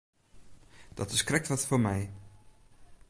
Dat is krekt wat foar my.